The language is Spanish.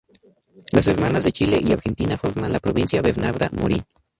Las hermanas de Chile y Argentina forman la Provincia Bernarda Morin.